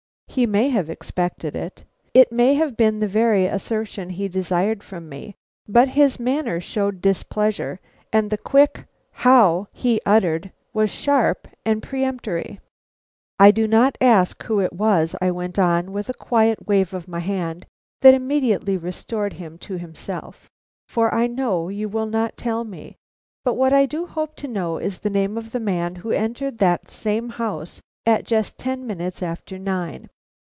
He may have expected it; it may have been the very assertion he desired from me, but his manner showed displeasure, and the quick "How?" he uttered was sharp and peremptory. "I do not ask who it was," I went on, with a quiet wave of my hand that immediately restored him to himself, "for I know you will not tell me. But what I do hope to know is the name of the man who entered that same house at just ten minutes after nine.